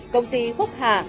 công ty phúc hà